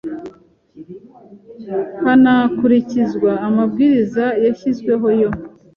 hanakurikizwa amabwiriza yashyizweho yo